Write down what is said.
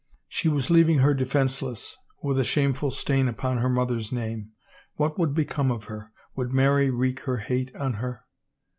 She was leaving her defenseless — with a shameful stain upon her mother's name. What would become of her? Would Mary wreak her hate on her?